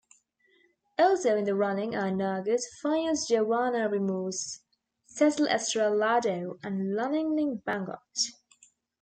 Also in the running are Naga's finest Joannah Ramores, Cecil Estrallado and Luningning Bangot.